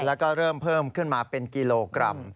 แล้วก็เริ่มเพิ่มขึ้นมาเป็นกิโลกรัม